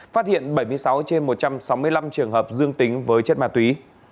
phát hiện bảy mươi sáu trên một trăm sáu mươi năm trường hợp dương tính với chất ma túy